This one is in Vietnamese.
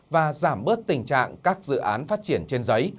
và giảm bớt tình trạng các dự án phát triển trên giấy